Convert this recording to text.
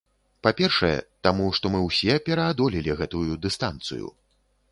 Па-першае, таму, што мы ўсе пераадолелі гэтую дыстанцыю.